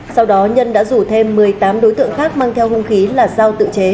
sau đó nhân đã rủ thêm một mươi tám đối tượng khác mang theo hung khí là giao tự chế